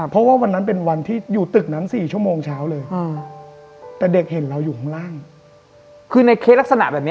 เพราะว่าวันนั้นเป็นวันที่อยู่ตึกนั้น๔ชั่วโมงเช้าเลย